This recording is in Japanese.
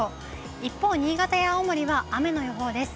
一方、新潟や青森は雨の予報です。